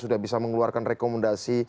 sudah bisa mengeluarkan rekomendasi